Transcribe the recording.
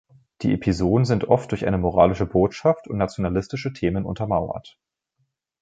Die Episoden sind oft durch eine moralische Botschaft und nationalistische Themen untermauert.